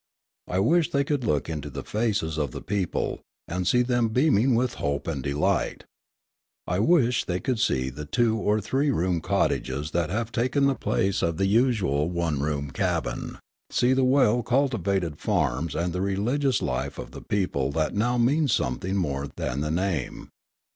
I wish they could look into the faces of the people, and see them beaming with hope and delight. I wish they could see the two or three room cottages that have taken the place of the usual one room cabin, see the well cultivated farms and the religious life of the people that now means something more than the name.